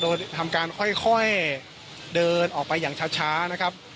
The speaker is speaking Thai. โดยทำการค่อยเดินออกไปอย่างช้านะครับ